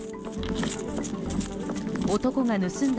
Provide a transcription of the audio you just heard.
男が盗んだ